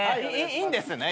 いいんですね？